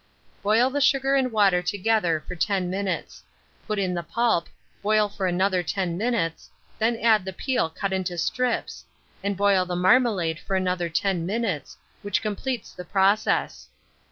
Boil the sugar and water together for 10 minutes; put in the pulp, boil for another 10 minutes; then add the peel cut into strips, and boil the marmalade for another 10 minutes, which completes the process.